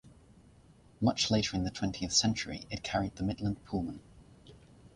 Much later in the twentieth century, it carried the Midland Pullman.